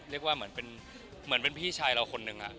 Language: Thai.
เรียกว่าเหมือนเป็นพี่ชายเราคนหนึ่ง